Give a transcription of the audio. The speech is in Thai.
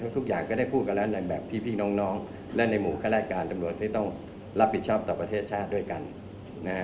ทุกอย่างก็ได้พูดกันแล้วในแบบพี่น้องและในหมู่ข้าราชการตำรวจที่ต้องรับผิดชอบต่อประเทศชาติด้วยกันนะฮะ